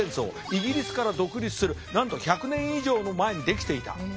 イギリスから独立するなんと１００年以上も前にできていた。